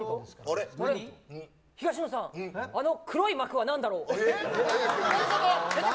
東野さんあの黒い幕は何だろう？